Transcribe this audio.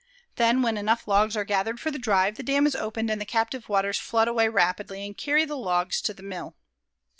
Then when enough logs are gathered for the drive, the dam is opened and the captive waters flood away rapidly and carry the logs to the mill.